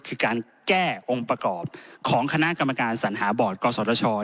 คือการแก้องค์ประกอบของคณะกรรมการสัญหาบอร์ดกศช